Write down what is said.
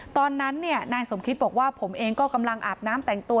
ตอนนั้นนายสมคิตบอกว่าผมเองก็กำลังอาบน้ำแต่งตัว